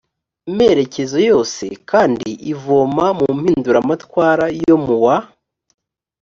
merekezo yose kandi ivoma mu mpinduramatwara yo mu wa